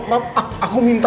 ma aku minta